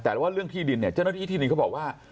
แต่ว่าเรื่องที่ดินเนี่ยเจ้าหน้าที่ที่ดินเขาบอกว่า